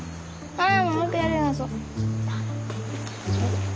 ああ。